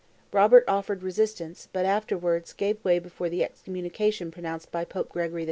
Robert offered resistance, but afterwards gave way before the excommunication pronounced by Pope Gregory V.